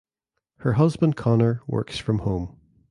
Her husband Conor works from home.